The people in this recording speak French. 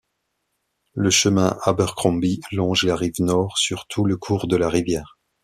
Le chemin Abercromby longe la rive Nord sur tout le cours de la rivière.